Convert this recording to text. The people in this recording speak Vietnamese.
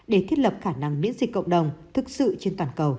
để thiết lập khả năng miễn dịch cộng đồng thực sự trên toàn cầu